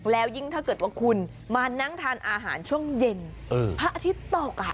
แล้วยิ่งถ้าเกิดว่าคุณมานั่งทานอาหารช่วงเย็นพระอาทิตย์ตก